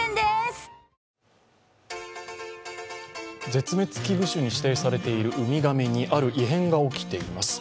絶滅危惧種に指定されているウミガメにある異変が起きています。